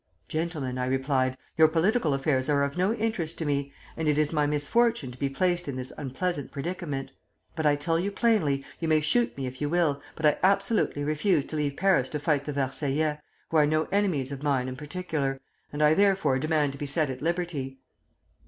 'Gentlemen,' I replied, 'your political affairs are of no interest to me, and it is my misfortune to be placed in this unpleasant predicament. But I tell you plainly, you may shoot me if you will, but I absolutely refuse to leave Paris to fight the Versaillais, who are no enemies of mine in particular, and I therefore demand to be set at liberty.'